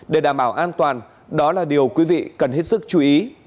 để đảm bảo an toàn đó là điều quý vị cần hết sức chú ý